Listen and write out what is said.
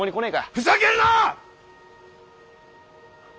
ふざけるな！